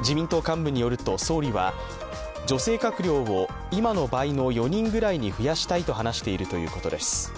自民党幹部によると、総理は女性閣僚を今の倍の４人くらいに増やしたいと話しているということです。